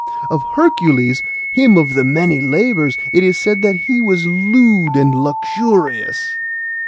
Of Hercules, him of the many labours, it is said that he was lewd and luxurious.